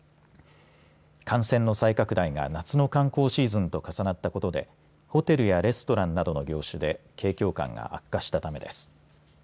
感染の再拡大が夏の観光シーズンと重なったことでホテルやレストランなどの業種で景況感が悪化したためです。